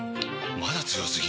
まだ強すぎ？！